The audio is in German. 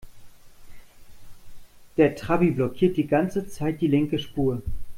Der Trabi blockiert die ganze Zeit die linke Spur.